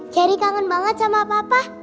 keri kangen banget sama papa